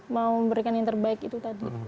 mau memberikan yang terbaik itu tadi